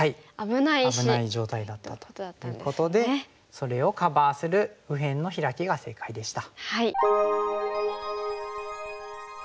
危ない状態だったということでそれをカバーする右辺のヒラキが正解でした。